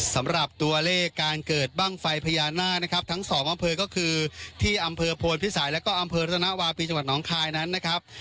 สำหรับตัวเลขการเกิดบ้างไฟพญานาคนะครับทั้งสองอำเภอก็คือที่อำเภอโพนพิสัยแล้วก็อำเภอรัตนวาปีจังหวัดน้องคายนั้นนะครับ